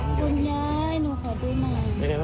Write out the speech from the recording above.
คุณยายหนูขอดูหน่อย